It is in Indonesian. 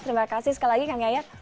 terima kasih sekali lagi kang yayat